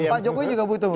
pak jokowi juga butuh